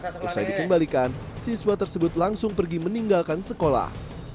setelah dikembalikan siswa tersebut langsung pergi meninggalkan sekolah